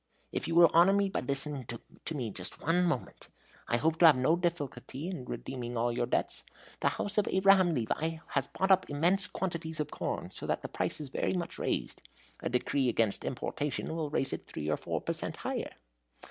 "If you will honor me by listening to me one moment. I hope to have no difficulty in redeeming all your debts. The house of Abraham Levi has bought up immense quantities of corn, so that the price is very much raised. A decree against importation will raise it three or four percent. higher.